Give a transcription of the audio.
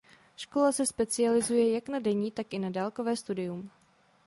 Škola se specializuje jak na denní tak i na dálkové studium.